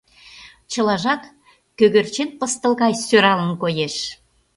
Чылажат кӧгӧрчен пыстыл гай сӧралын коеш.